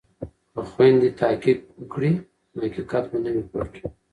که خویندې تحقیق وکړي نو حقیقت به نه وي پټ.